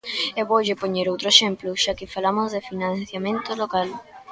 E voulle poñer outro exemplo, xa que falamos de financiamento local.